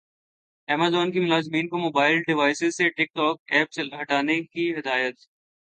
Amazon کی ملازمین کو موبائل ڈیوائسز سے ٹک ٹاک ایپ ہٹانے کی ہدایت